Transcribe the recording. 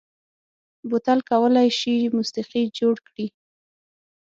بوتل کولای شي موسيقي جوړ کړي.